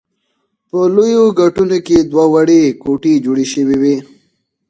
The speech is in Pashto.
په لویو ګټونو کې دوه وړې کوټې جوړې شوې وې.